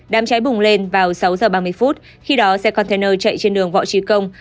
đám cháy bùng lên vào sáu h ba mươi phút khi đó xe container chạy trên đường võ trí công